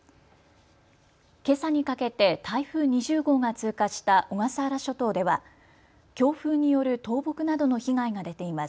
けさにかけて台風２０号が通過した小笠原諸島では強風による倒木などの被害が出ています。